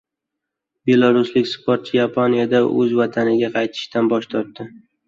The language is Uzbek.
Belaruslik sportchi Yaponiyadan o‘z vataniga qaytishdan bosh tortdi